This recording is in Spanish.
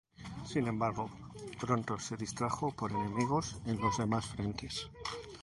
Sin embargo, pronto se distrajo por enemigos en los demás frentes.